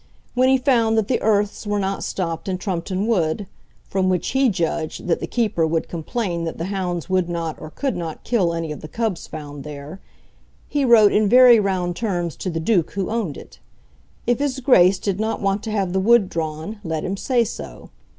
When he found that the earths were not stopped in Trumpeton Wood, from which he judged that the keeper would complain that the hounds would not or could not kill any of the cubs found there, he wrote in very round terms to the Duke who owned it. If His Grace did not want to have the wood drawn, let him say so.